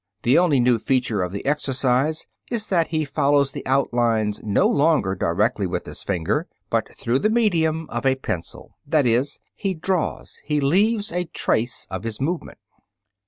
The only new feature of the exercise is that he follows the outlines no longer directly with his finger, but through the medium of a pencil. That is, he draws, he leaves a trace of his movement.